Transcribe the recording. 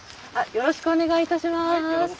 よろしくお願いします。